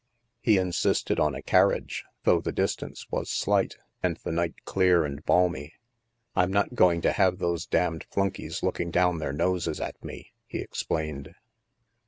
He insisted on a carriage, though the distance was slight, and the night clear and balmy. " I'm not going to have those damned flunkeys looking down their noses at me," he explained.